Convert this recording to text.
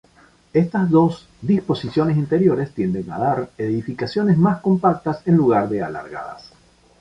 Estas dos disposiciones interiores tienden a dar edificaciones más compactas en lugar de alargadas.